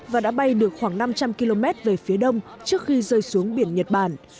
và đã bay được khoảng năm trăm linh km về phía đông trước khi rơi xuống biển nhật bản